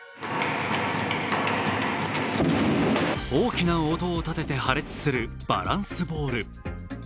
大きな音を立てて破裂するバランスボール。